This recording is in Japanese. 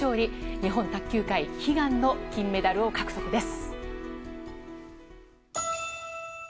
日本卓球界悲願の金メダルを獲得です。